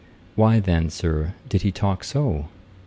'Why then, Sir, did he talk so?'